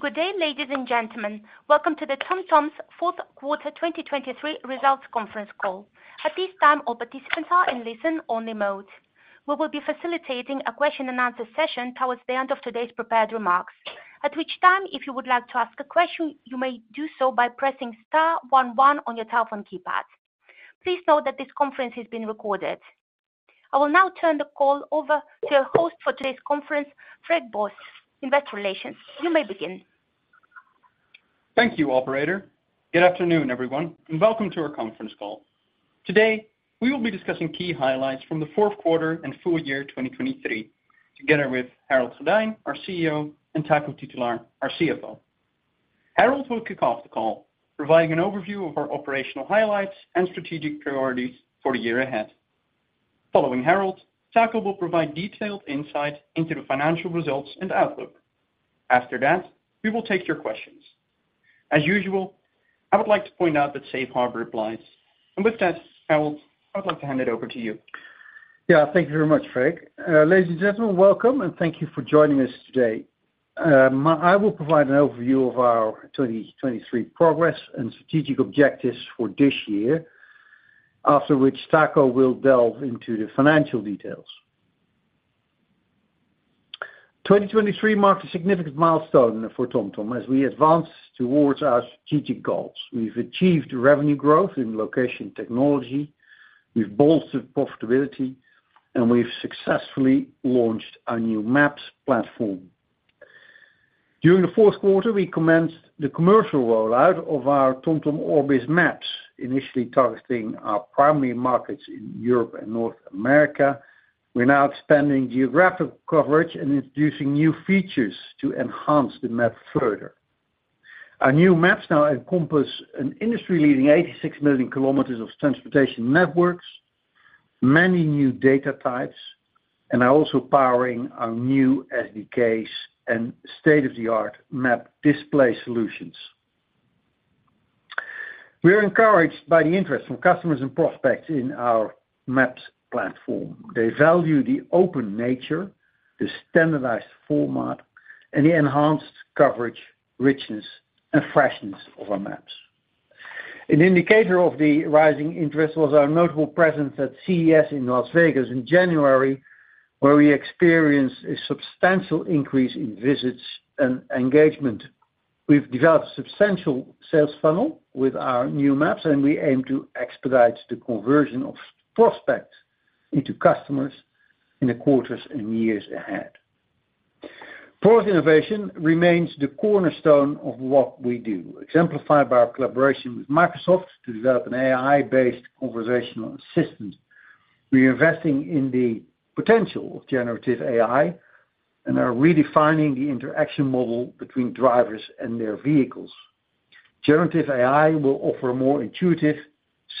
Good day, ladies and gentlemen. Welcome to the TomTom's fourth quarter 2023 results conference call. At this time, all participants are in listen-only mode. We will be facilitating a question and answer session towards the end of today's prepared remarks, at which time, if you would like to ask a question, you may do so by pressing star one one on your telephone keypad. Please note that this conference is being recorded. I will now turn the call over to our host for today's conference, Freek Borst, Investor Relations. You may begin. Thank you, operator. Good afternoon, everyone, and welcome to our conference call. Today, we will be discussing key highlights from the Q4 and full year 2023, together with Harold Goddijn, our CEO, and Taco Titulaer, our CFO. Harold will kick off the call, providing an overview of our operational highlights and strategic priorities for the year ahead. Following Harold, Taco will provide detailed insight into the financial results and outlook. After that, we will take your questions. As usual, I would like to point out that Safe Harbor applies. And with that, Harold, I'd like to hand it over to you. Yeah, thank you very much, Freek. Ladies and gentlemen, welcome, and thank you for joining us today. I will provide an overview of our 2023 progress and strategic objectives for this year, after which Taco will delve into the financial details. 2023 marked a significant milestone for TomTom as we advance towards our strategic goals. We've achieved revenue growth in location technology, we've bolstered profitability, and we've successfully launched a new maps platform. During the Q4, we commenced the commercial rollout of our TomTom Orbis Maps, initially targeting our primary markets in Europe and North America. We're now expanding geographic coverage and introducing new features to enhance the map further. Our new maps now encompass an industry-leading 86 million kilometers of transportation networks, many new data types, and are also powering our new SDKs and state-of-the-art map display solutions. We are encouraged by the interest from customers and prospects in our maps platform. They value the open nature, the standardized format, and the enhanced coverage, richness, and freshness of our maps. An indicator of the rising interest was our notable presence at CES in Las Vegas in January, where we experienced a substantial increase in visits and engagement. We've developed a substantial sales funnel with our new maps, and we aim to expedite the conversion of prospects into customers in the quarters and years ahead. Product innovation remains the cornerstone of what we do, exemplified by our collaboration with Microsoft to develop an AI-based conversational assistant. We are investing in the potential of generative AI and are redefining the interaction model between drivers and their vehicles. Generative AI will offer a more intuitive,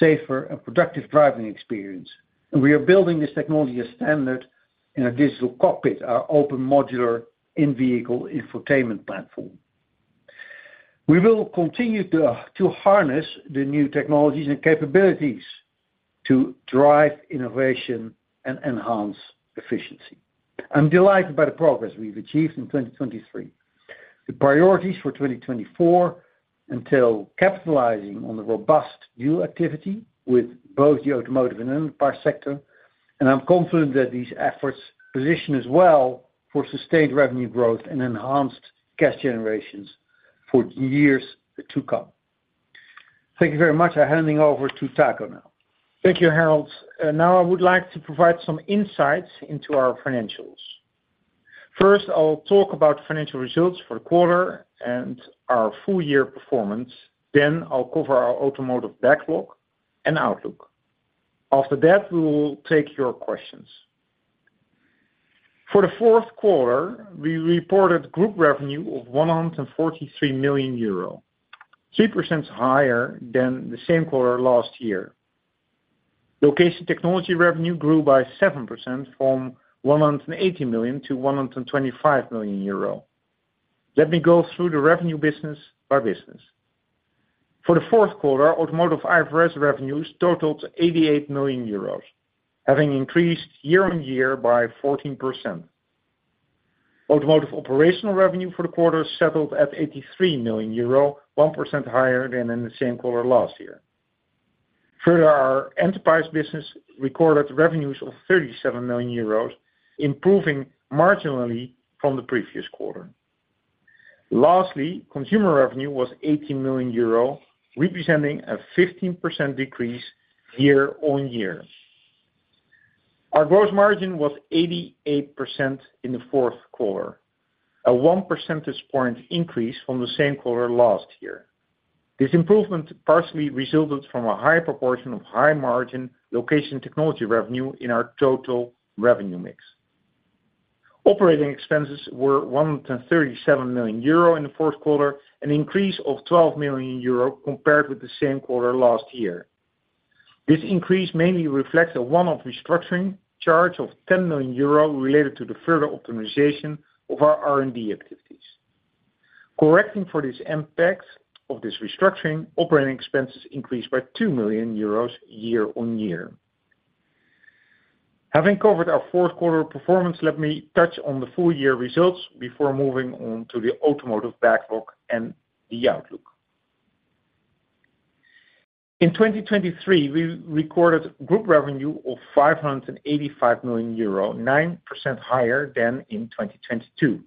safer, and productive driving experience, and we are building this technology as standard in our Digital Cockpit, our open modular in-vehicle infotainment platform. We will continue to harness the new technologies and capabilities to drive innovation and enhance efficiency. I'm delighted by the progress we've achieved in 2023. The priorities for 2024 entail capitalizing on the robust new activity with both the automotive and enterprise sector, and I'm confident that these efforts position us well for sustained revenue growth and enhanced cash generation for years to come. Thank you very much. I'm handing over to Taco now. Thank you, Harold. Now I would like to provide some insights into our financials. First, I'll talk about financial results for the quarter and our full year performance. Then I'll cover our automotive backlog and outlook. After that, we will take your questions. For the fourth quarter, we reported group revenue of 143 million euro, 3% higher than the same quarter last year. Location technology revenue grew by 7%, from 180 million to 125 million euro. Let me go through the revenue business by business. For the fourth quarter, automotive IFRS revenues totaled 88 million euros, having increased year-on-year by 14%. Automotive operational revenue for the quarter settled at 83 million euro, 1% higher than in the same quarter last year. Further, our enterprise business recorded revenues of 37 million euros, improving marginally from the previous quarter. Lastly, consumer revenue was 18 million euro, representing a 15% decrease year-on-year. Our gross margin was 88% in the fourth quarter, a 1 percentage point increase from the same quarter last year. This improvement partially resulted from a higher proportion of high-margin location technology revenue in our total revenue mix. Operating expenses were 137 million euro in the fourth quarter, an increase of 12 million euro compared with the same quarter last year. This increase mainly reflects a one-off restructuring charge of 10 million euro related to the further optimization of our R&D activities. Correcting for this impact of this restructuring, operating expenses increased by 2 million euros year-on-year.... Having covered our fourth quarter performance, let me touch on the full year results before moving on to the automotive backlog and the outlook. In 2023, we recorded group revenue of 585 million euro, 9% higher than in 2022.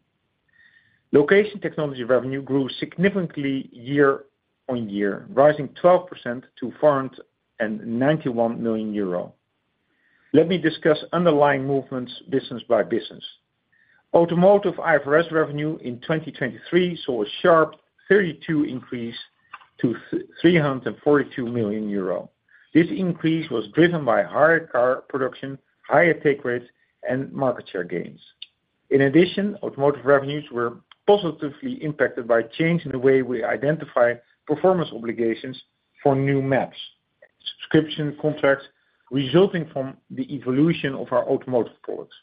Location technology revenue grew significantly year on year, rising 12% to 491 million euro. Let me discuss underlying movements business by business. Automotive IFRS revenue in 2023 saw a sharp 32% increase to 342 million euro. This increase was driven by higher car production, higher take rates, and market share gains. In addition, automotive revenues were positively impacted by a change in the way we identify performance obligations for new maps, subscription contracts, resulting from the evolution of our automotive products.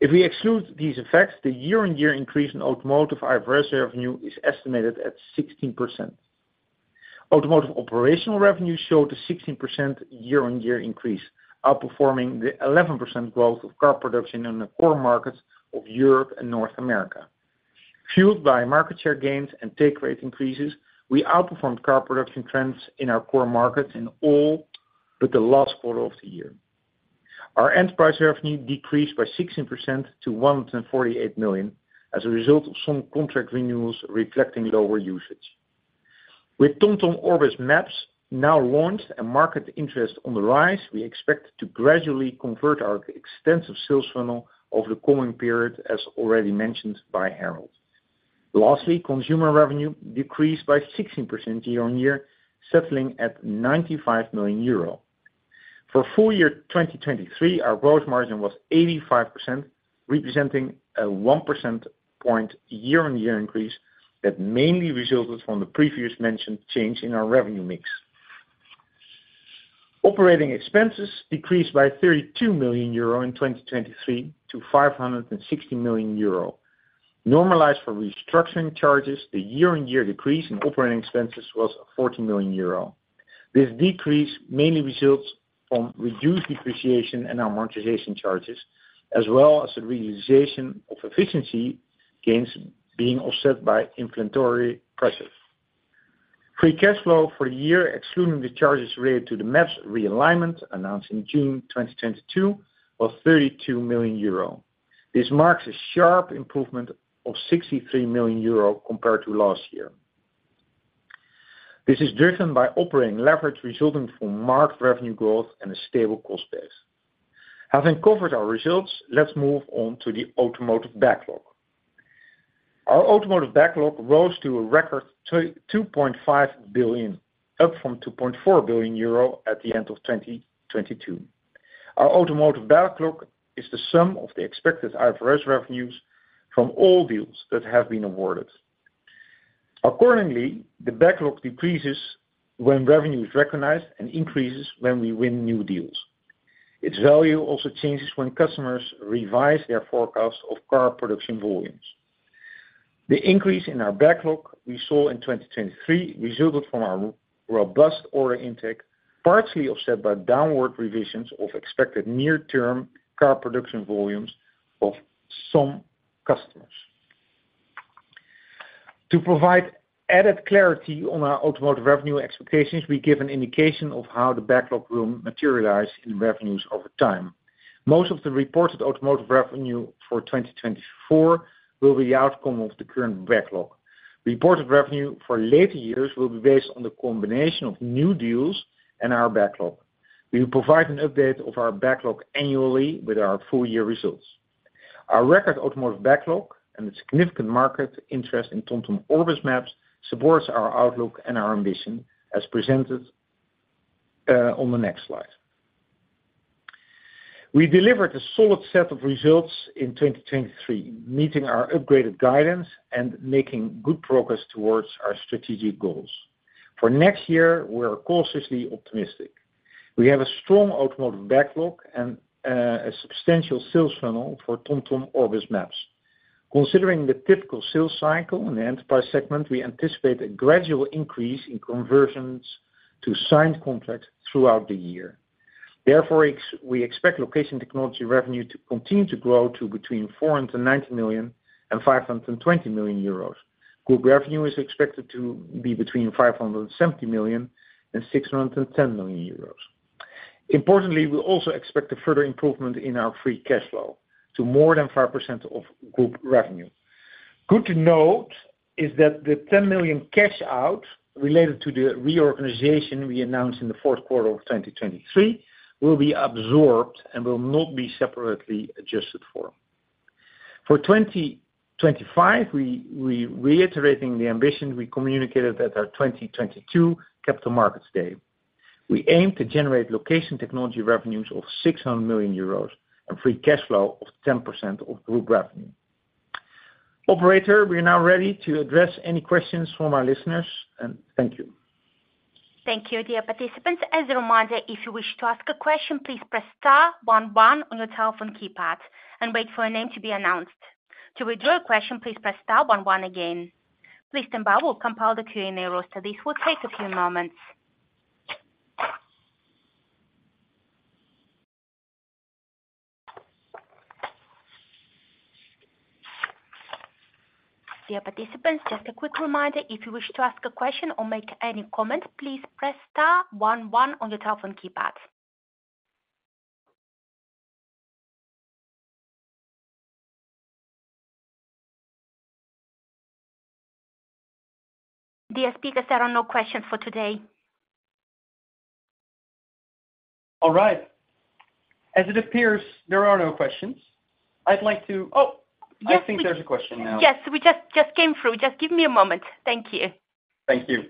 If we exclude these effects, the year-on-year increase in automotive IFRS revenue is estimated at 16%. Automotive operational revenue showed a 16% year-on-year increase, outperforming the 11% growth of car production in the core markets of Europe and North America. Fueled by market share gains and take rate increases, we outperformed car production trends in our core markets in all but the last quarter of the year. Our enterprise revenue decreased by 16% to 148 million as a result of some contract renewals, reflecting lower usage. With TomTom Orbis Maps now launched and market interest on the rise, we expect to gradually convert our extensive sales funnel over the coming period, as already mentioned by Harold. Lastly, consumer revenue decreased by 16% year-on-year, settling at 95 million euro. For full year 2023, our gross margin was 85%, representing a one percentage point year-on-year increase that mainly resulted from the previously mentioned change in our revenue mix. Operating expenses decreased by 32 million euro in 2023 to 560 million euro. Normalized for restructuring charges, the year-on-year decrease in operating expenses was 40 million euro. This decrease mainly results from reduced depreciation and amortization charges, as well as the realization of efficiency gains being offset by inflationary pressures. free cash flow for the year, excluding the charges related to the maps realignment announced in June 2022, was 32 million euro. This marks a sharp improvement of 63 million euro compared to last year. This is driven by operating leverage resulting from marked revenue growth and a stable cost base. Having covered our results, let's move on to the automotive backlog. Our automotive backlog rose to a record 2.5 billion, up from 2.4 billion euro at the end of 2022. Our automotive backlog is the sum of the expected IFRS revenues from all deals that have been awarded. Accordingly, the backlog decreases when revenue is recognized and increases when we win new deals. Its value also changes when customers revise their forecasts of car production volumes. The increase in our backlog we saw in 2023 resulted from our robust order intake, partially offset by downward revisions of expected near-term car production volumes of some customers. To provide added clarity on our automotive revenue expectations, we give an indication of how the backlog will materialize in revenues over time. Most of the reported automotive revenue for 2024 will be the outcome of the current backlog. Reported revenue for later years will be based on the combination of new deals and our backlog. We will provide an update of our backlog annually with our full year results. Our record automotive backlog and the significant market interest in TomTom Orbis Maps supports our outlook and our ambition as presented on the next slide. We delivered a solid set of results in 2023, meeting our upgraded guidance and making good progress towards our strategic goals. For next year, we are cautiously optimistic. We have a strong automotive backlog and a substantial sales funnel for TomTom Orbis Maps. Considering the typical sales cycle in the enterprise segment, we anticipate a gradual increase in conversions to signed contracts throughout the year. Therefore, we expect location technology revenue to continue to grow to between 490 million and 520 million euros. Group revenue is expected to be between 570 million and 610 million euros. Importantly, we also expect a further improvement in our Free Cash Flow to more than 5% of group revenue. Good to note is that the 10 million cash out related to the reorganization we announced in the Q4 of 2023 will be absorbed and will not be separately adjusted for. For 2025, we reiterating the ambition we communicated at our 2022 Capital Markets Day. We aim to generate location technology revenues of 600 million euros and Free cash flow of 10% of group revenue. Operator, we are now ready to address any questions from our listeners, and thank you. Thank you, dear participants. As a reminder, if you wish to ask a question, please press star one one on your telephone keypad and wait for your name to be announced. To withdraw your question, please press star one one again. Please stand by, we'll compile the Q&A roster. This will take a few moments. Dear participants, just a quick reminder, if you wish to ask a question or make any comment, please press star one one on your telephone keypad. Dear speakers, there are no questions for today. All right. As it appears, there are no questions. I'd like to. Oh! I think there's a question now. Yes, we just came through. Just give me a moment. Thank you. Thank you.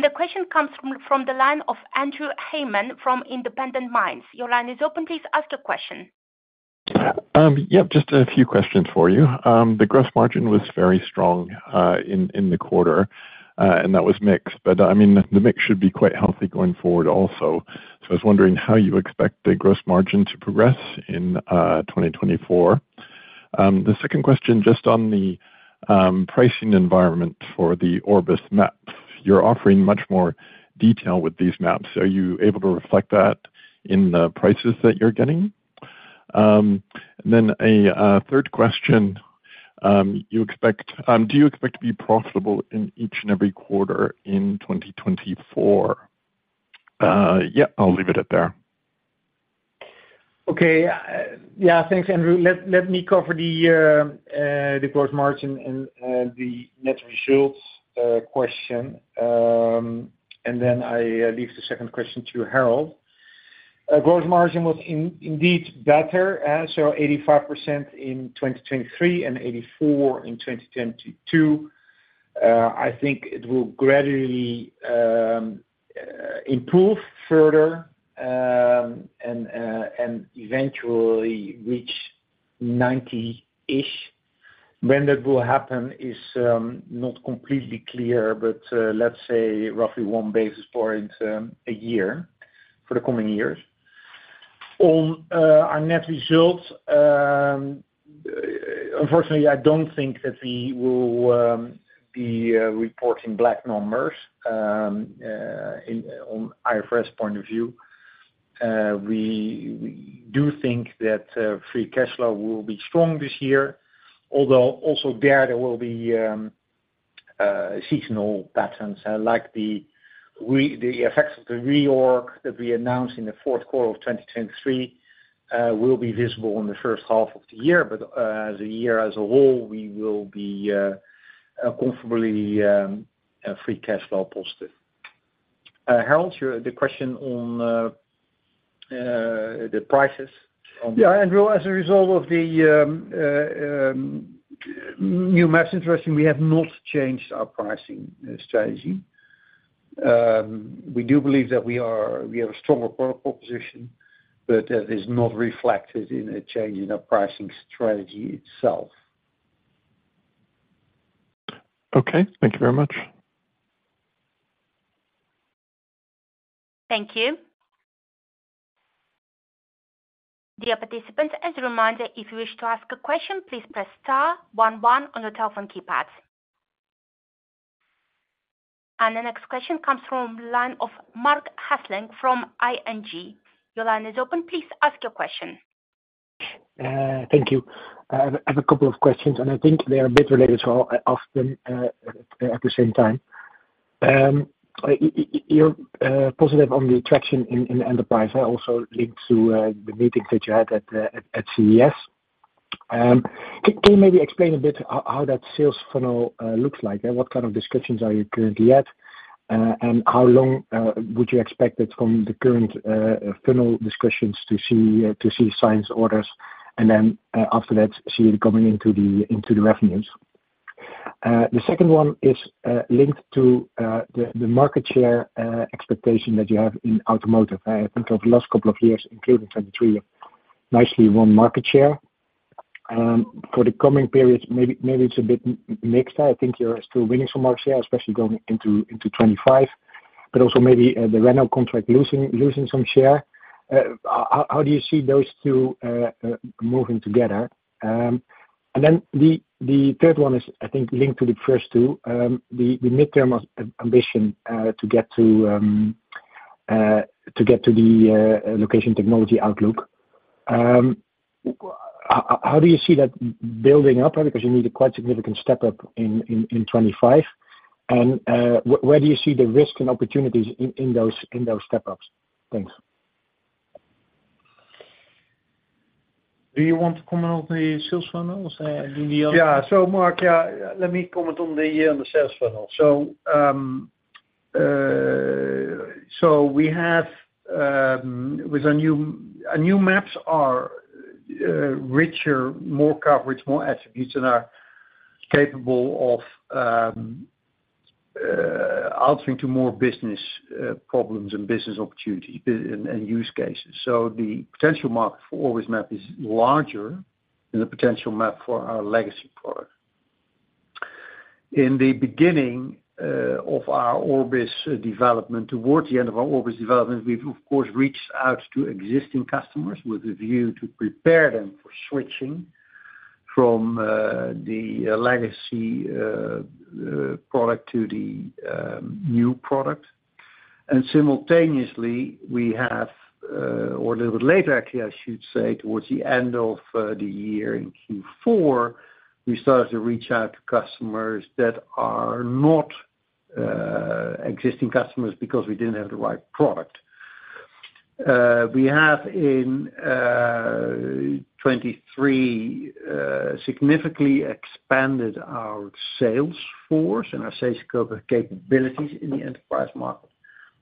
The question comes from the line of Andrew Hayman from Independent Minds. Your line is open. Please ask the question. Yep, just a few questions for you. The gross margin was very strong in the quarter, and that was mixed, but I mean, the mix should be quite healthy going forward also. So I was wondering how you expect the gross margin to progress in 2024. The second question, just on the pricing environment for the Orbis Maps. You're offering much more detail with these maps. Are you able to reflect that in the prices that you're getting? Then a third question, do you expect to be profitable in each and every quarter in 2024? Yeah, I'll leave it at that. Okay. Yeah, thanks, Andrew. Let me cover the gross margin and the net results question. And then I leave the second question to Harold. Gross margin was indeed better, so 85% in 2023, and 84% in 2022. I think it will gradually improve further, and eventually reach 90-ish. When that will happen is not completely clear, but let's say roughly 1 basis point a year for the coming years. On our net results, unfortunately, I don't think that we will be reporting black numbers on IFRS point of view. We do think that free cash flow will be strong this year, although also there will be seasonal patterns like the effects of the reorg that we announced in the fourth quarter of 2023, which will be visible in the first half of the year, but as a year as a whole, we will be comfortably free cash flow positive. Harold, your... The question on the prices. Yeah, Andrew, as a result of the new maps, interesting, we have not changed our pricing strategy. We do believe that we are, we have a stronger proposition, but that is not reflected in a change in our pricing strategy itself. Okay. Thank you very much. Thank you. Dear participants, as a reminder, if you wish to ask a question, please press star one one on your telephone keypad. The next question comes from line of Marc Hesselink from ING. Your line is open. Please ask your question. Thank you. I have a couple of questions, and I think they are a bit related, so I'll ask them at the same time. You're positive on the traction in the enterprise, also linked to the meetings that you had at CES. Can you maybe explain a bit how that sales funnel looks like, and what kind of discussions are you currently at? And how long would you expect it from the current funnel discussions to see signs, orders, and then, after that, see it coming into the revenues? The second one is linked to the market share expectation that you have in automotive. I think over the last couple of years, including 2023, nicely won market share. For the coming periods, maybe it's a bit mixed. I think you're still winning some market share, especially going into 2025, but also maybe the Renault contract losing some share. How do you see those two moving together? And then the third one is, I think, linked to the first two, the midterm ambition to get to the location technology outlook. How do you see that building up? Because you need a quite significant step up in 2025. Where do you see the risk and opportunities in those step ups? Thanks. Do you want to comment on the sales funnels in the- Yeah. So, Marc, yeah, let me comment on the, on the sales funnel. So, we have with our new. Our new maps are richer, more coverage, more attributes, and are capable of altering to more business problems and business opportunities and use cases. So the potential market for Orbis Maps is larger than the potential market for our legacy product. In the beginning of our Orbis development, towards the end of our Orbis development, we've of course reached out to existing customers with a view to prepare them for switching from the legacy product to the new product. And simultaneously, we have or a little bit later, actually, I should say, towards the end of the year in Q4, we started to reach out to customers that are not existing customers because we didn't have the right product. We have in 2023 significantly expanded our sales force and our sales capabilities in the enterprise market,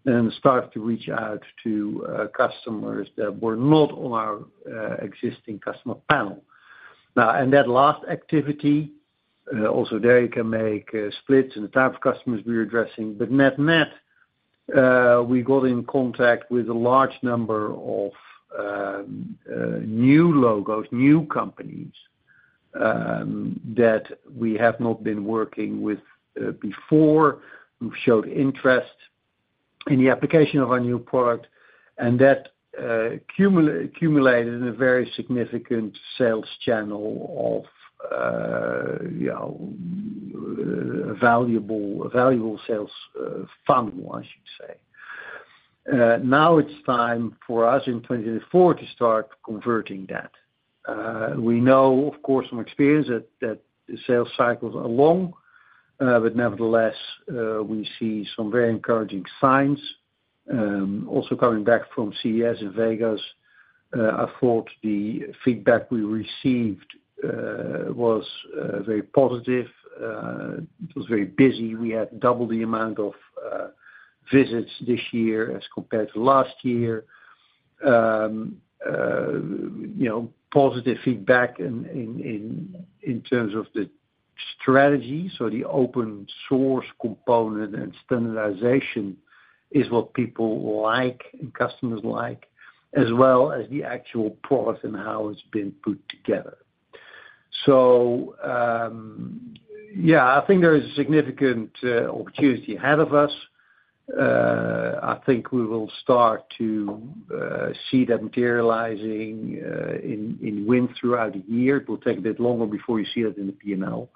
and started to reach out to customers that were not on our existing customer panel. Now, and that last activity, also there you can make splits in the type of customers we're addressing, but net-net, we got in contact with a large number of new logos, new companies, that we have not been working with before, who showed interest in the application of our new product. And that, accumulated in a very significant sales channel of, you know, valuable, valuable sales, funnel, I should say. Now it's time for us in 2024 to start converting that. We know, of course, from experience that the sales cycles are long, but nevertheless, we see some very encouraging signs. Also coming back from CES in Vegas, I thought the feedback we received was very positive. It was very busy. We had double the amount of visits this year as compared to last year. You know, positive feedback in terms of the strategy. So the open source component and standardization is what people like and customers like, as well as the actual product and how it's been put together. So, yeah, I think there is a significant opportunity ahead of us. I think we will start to see that materializing in wins throughout the year. It will take a bit longer before you see that in the P&L.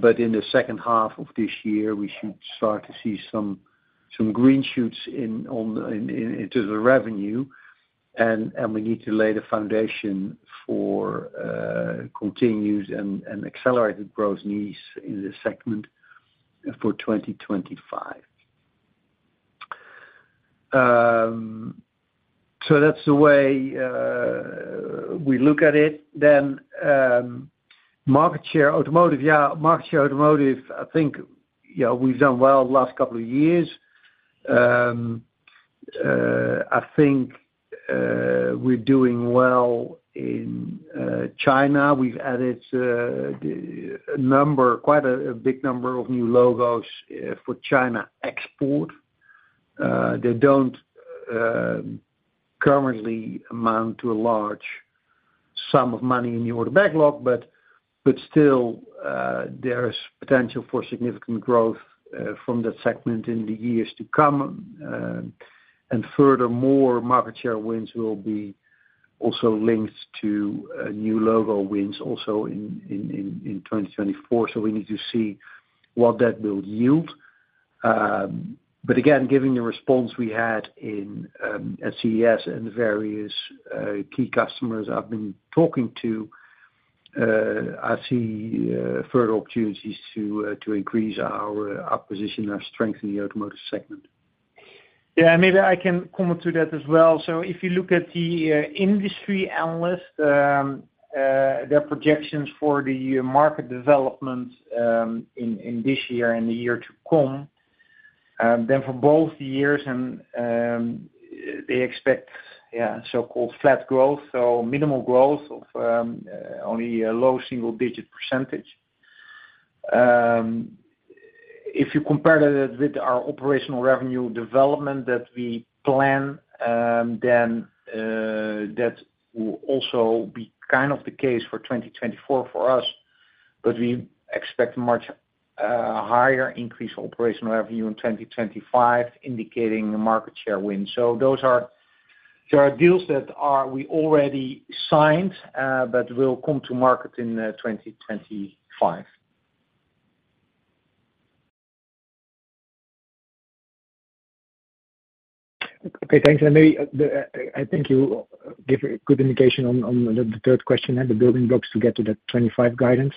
But in the second half of this year, we should start to see some green shoots into the revenue. And we need to lay the foundation for continued and accelerated growth needs in this segment for 2025. So that's the way we look at it. Then, market share, automotive. Yeah, market share, automotive, I think, you know, we've done well the last couple of years. I think we're doing well in China. We've added a number, quite a big number of new logos for China export. They don't currently amount to a large sum of money in the order backlog, but still, there is potential for significant growth from that segment in the years to come. And furthermore, market share wins will be also linked to new logo wins also in 2024. So we need to see what that will yield. But again, given the response we had in at CES and the various key customers I've been talking to, I see further opportunities to increase our position, our strength in the automotive segment. Yeah, maybe I can comment to that as well. So if you look at the industry analyst their projections for the market development in this year and the year to come then for both years and they expect yeah so-called flat growth so minimal growth of only a low single-digit %. If you compare that with our operational revenue development that we plan then that will also be kind of the case for 2024 for us but we expect a much higher increase operational revenue in 2025 indicating a market share win. So those are deals that we already signed but will come to market in 2025. Okay, thanks. And maybe, the, I think you give a good indication on, on the, the third question and the building blocks to get to that 2025 guidance.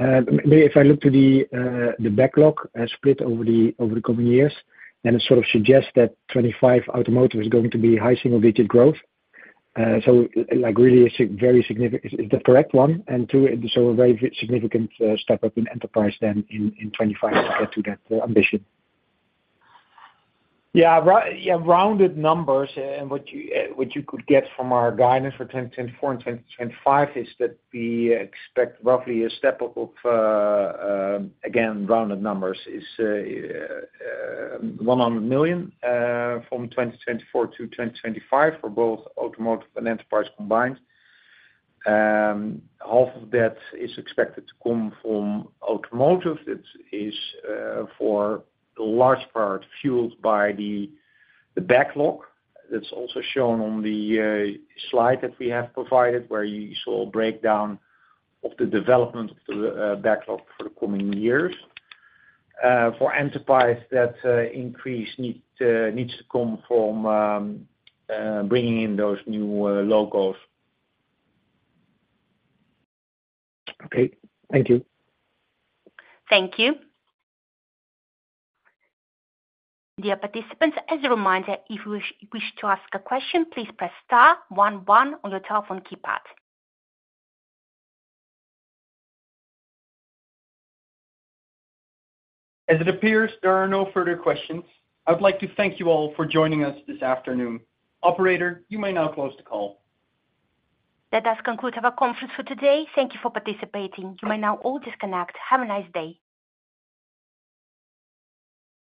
Maybe if I look to the, the backlog, split over the, over the coming years, and it sort of suggests that 2025 automotive is going to be high single-digit growth. So, like, really, it's very significant, is the correct one, and two, so a very significant, step up in enterprise then in, in 2025 to get to that, ambition. Yeah, rounded numbers, and what you could get from our guidance for 2024 and 2025, is that we expect roughly a step up of, again, rounded numbers, 100 million, from 2024 to 2025 for both automotive and enterprise combined. Half of that is expected to come from automotive. It is, for large part, fueled by the backlog. That's also shown on the slide that we have provided, where you saw a breakdown of the development of the backlog for the coming years. For enterprise, that increase needs to come from bringing in those new logos. Okay. Thank you. Thank you. Dear participants, as a reminder, if you wish to ask a question, please press star one one on your telephone keypad. As it appears, there are no further questions. I'd like to thank you all for joining us this afternoon. Operator, you may now close the call. That does conclude our conference for today. Thank you for participating. You may now all disconnect. Have a nice day.